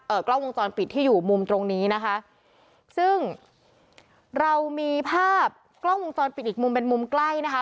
กล้องวงจรปิดที่อยู่มุมตรงนี้นะคะซึ่งเรามีภาพกล้องวงจรปิดอีกมุมเป็นมุมใกล้นะคะ